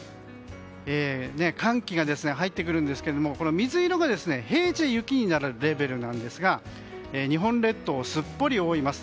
寒気が入ってくるんですが水色が平地で雪になるレベルなんですが日本列島をすっぽりと覆います。